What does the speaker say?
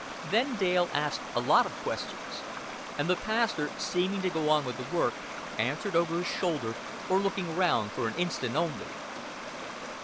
Then Dale asked a lot of questions; and the pastor, seeming to go on with the work, answered over his shoulder, or looking round for an instant only.